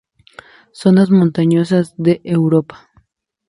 Zonas montañosas de Europa.